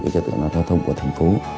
trật tự an toàn thông của thành phố